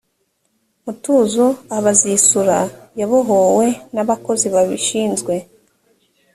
mutuzo abazisura bayobowe n abakozi babishinzwe